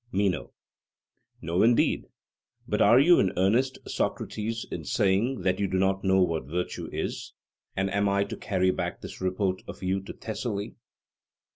MENO: No, indeed. But are you in earnest, Socrates, in saying that you do not know what virtue is? And am I to carry back this report of you to Thessaly?